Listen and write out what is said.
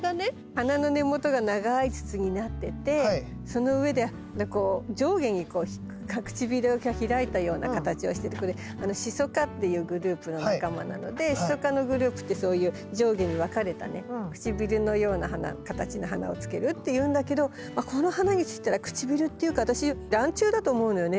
花の根元が長い筒になっててその上で上下に唇が開いたような形をしててこれシソ科っていうグループの仲間なのでシソ科のグループってそういう上下に分かれたね唇のような形の花をつけるっていうんだけどこの花にしたら唇っていうか私ランチュウだと思うのよね